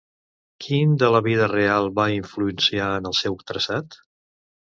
Quin de la vida real va influenciar en el seu traçat?